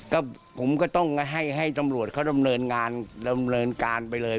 ก็ผมก็ต้องให้ตำรวจเขาดำเนินงานดำเนินการไปเลย